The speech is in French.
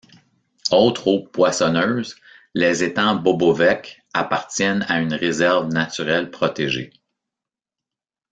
Autres eaux poissonneuses, les étangs Bobovek appartiennent à une réserve naturelle protégée.